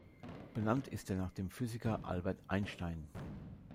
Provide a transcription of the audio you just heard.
Benannt ist er nach dem Physiker Albert Einstein.